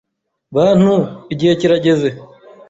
Bantu, igihe kirageze.